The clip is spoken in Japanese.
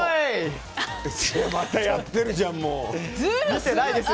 またやってるじゃん！